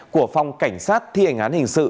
của phòng cảnh sát thi hình án hình sự